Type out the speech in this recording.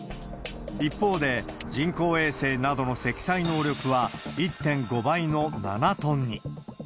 一方で、人工衛星などの積載能力は１．５倍の７トンに。